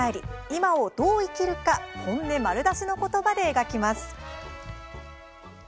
今をどう生きるか本音丸出しのことばで描きます。